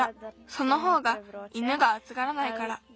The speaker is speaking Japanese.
そのほうが犬があつがらないから。